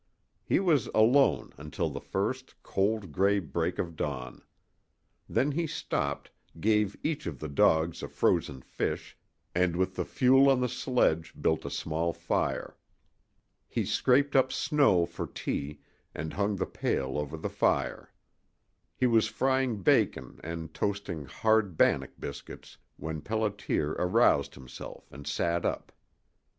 He was alone until the first cold, gray break of dawn. Then he stopped, gave each of the dogs a frozen fish, and with the fuel on the sledge built a small fire. He scraped up snow for tea, and hung the pail over the fire. He was frying bacon and toasting hard bannock biscuits when Pelliter aroused himself and sat up.